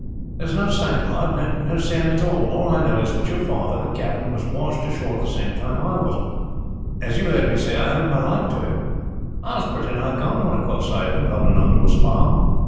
"There is no saying, lad, no saying at all. All I know is that your father, the captain, was washed ashore at the same time as I was. As you have heard me say, I owed my life to him. I was pretty nigh gone when I caught sight of him, holding on to a spar.